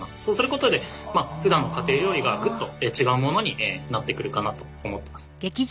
そうすることでふだんの家庭料理がぐっと違うものになってくるかなと思ってます。